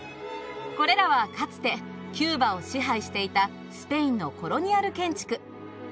これらはかつてキューバを支配していたスペインのコロニアル建築。